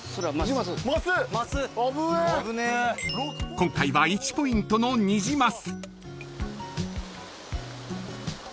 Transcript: ［今回は１ポイントのニジマス］